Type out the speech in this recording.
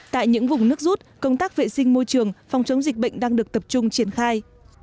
tại những vùng nước rút công tác vệ sinh môi trường phòng chống dịch bệnh đang được tập trung triển khai